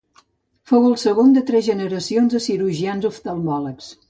Fou el segon de tres generacions de cirurgians oftalmòlegs.